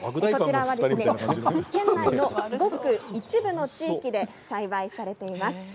県内のごく一部の地域で栽培されています。